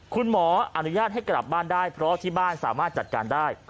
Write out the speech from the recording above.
ขออนุญาตให้กลับบ้านได้เพราะที่บ้านสามารถจัดการได้